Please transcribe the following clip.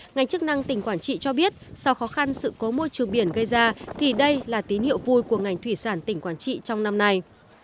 ngành chức năng tỉnh quảng trị cho biết sau khó khăn sự cố môi trường biển gây ra thì đây là tín hiệu vui của ngành thủy sản tỉnh quảng trị trong năm nay